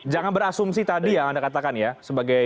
jangan berasumsi tadi yang anda katakan ya sebagai